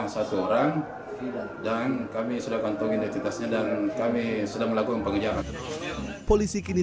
satu orang dan kami sudah kantong identitasnya dan kami sudah melakukan pengejaran polisi kini